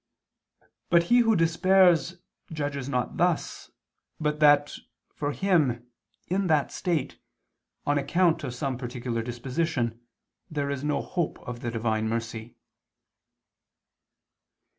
But he who despairs judges not thus, but that, for him in that state, on account of some particular disposition, there is no hope of the Divine mercy.